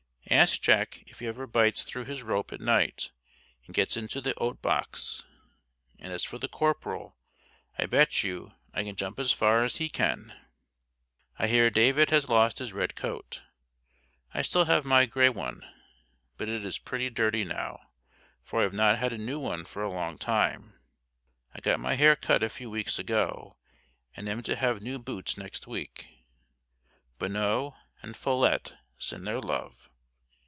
Ask Jack if he ever bites through his rope at night, and gets into the oat box. And as for the Corporal, "I bet you" I can jump as far as he can. I hear David has lost his red coat. I still have my grey one, but it is pretty dirty now, for I have not had a new one for a long time. I got my hair cut a few weeks ago and am to have new boots next week. Bonneau and Follette send their love.